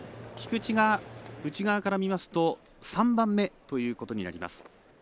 菊池が内側から見ますと３番目ということになります。